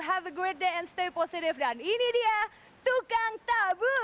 have agree day and stay positive dan ini dia tukang tabu